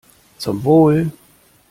Zum Wohl!